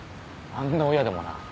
あんな親でもな